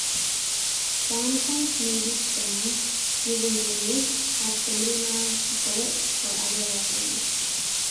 Spawn points may be spammed using grenades, proximity mines, bullets, or other weaponry.